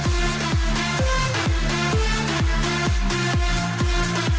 biasanya kalau kita bicara mrt